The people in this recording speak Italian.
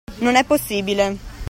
Non è possibile!